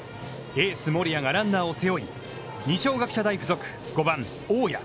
エース森谷がランナーを背負い、二松学舎大付属、５番大矢。